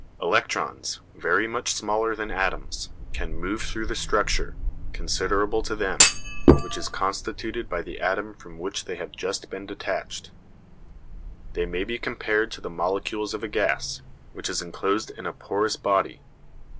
Electrons, very much smaller than atoms, can move through the structure, considerable to them, which is constituted by the atom from which they have just been detached. They may be compared to the molecules of a gas which is enclosed in a porous body.